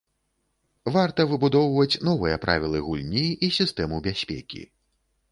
Варта выбудоўваць новыя правілы гульні і сістэму бяспекі.